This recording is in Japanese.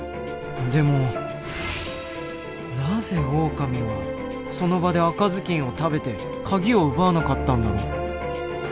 でもなぜオオカミはその場で赤ずきんを食べてカギを奪わなかったんだろう。